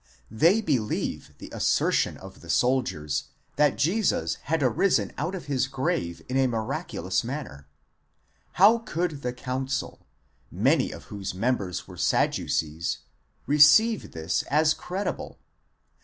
They believe the assertion of the soldiers that Jesus had arisen out of his grave in a miraculous manner. How could the council, many of whose members were Sadducees, receive this as credible?